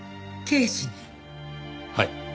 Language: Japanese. はい。